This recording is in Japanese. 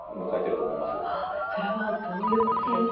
あっそれはどういうことでしょうか。